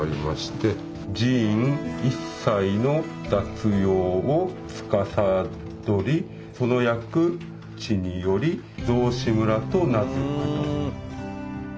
「寺院一切の雑用をつかさどりその役地により雑司村と名付く」と。